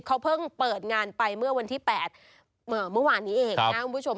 เขาเพิ่งเปิดงานไปเมื่อวันที่๘เมื่อวานนี้เองนะคุณผู้ชม